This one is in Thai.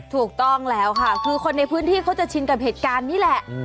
ถูกต้องแล้วค่ะคือคนในพื้นที่เขาจะชินกับเหตุการณ์นี้แหละ